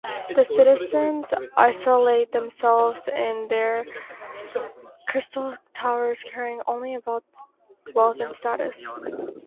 The citizens isolate themselves in their crystal towers, caring only about wealth and status.